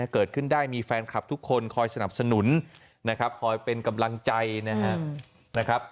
เกิดขึ้นได้มีแฟนคลับทุกคนคอยสนับสนุนนะครับคอยเป็นกำลังใจนะครับ